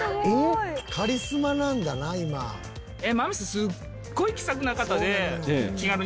すっごい気さくな方で。